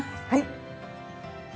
はい。